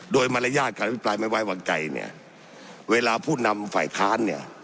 โดยมารยาทการอภิปรายไม่ไว้วางใจเนี่ยเวลาผู้นำฝ่ายค้านเนี่ย